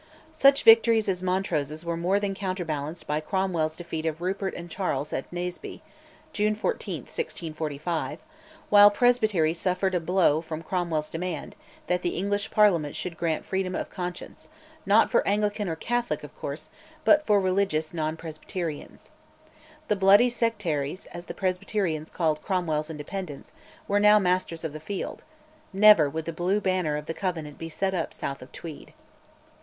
Such victories as Montrose's were more than counterbalanced by Cromwell's defeat of Rupert and Charles at Naseby (June 14, 1645); while presbytery suffered a blow from Cromwell's demand, that the English Parliament should grant "freedom of conscience," not for Anglican or Catholic, of course, but for religions non Presbyterian. The "bloody sectaries," as the Presbyterians called Cromwell's Independents, were now masters of the field: never would the blue banner of the Covenant be set up south of Tweed.